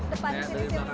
depan sini sini